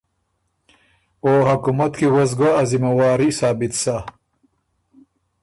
او حکومت کی وه سو ګۀ ا ذمه واري ثابت سَۀ۔